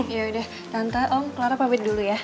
yaudah tante om clara pamit dulu ya